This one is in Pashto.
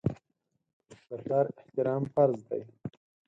د پلار احترام فرض دی.